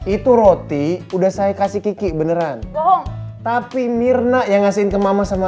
itu roti udah saya kasih kiki beneran tapi mirna yang ngasih ke mama sama